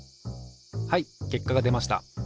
はい結果が出ました。